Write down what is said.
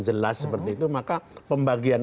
jelas seperti itu maka pembagian